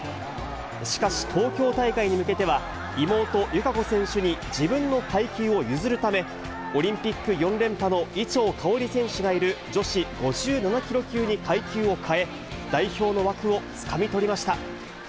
しかし東京大会に向けては妹、友香子選手に自分の階級を譲るため、オリンピック４連覇の伊調馨選手がいる女子５７キロ級に階級を変え、代表の枠をつかみ取りました。